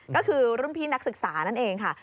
ก็คือรุ่นพี่นักศึกษานั่นเองค่ะ